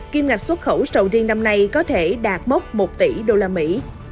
kim ngạch xuất khẩu sầu riêng năm nay có thể đạt mốc một tỷ đô la mỹ